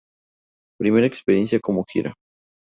Primera experiencia como gira.